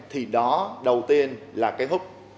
thì đó đầu tiên là cái hút